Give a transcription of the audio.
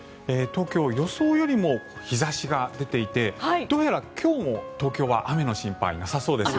東京、予想よりも日差しが出ていてどうやら今日も東京は雨の心配はなさそうです。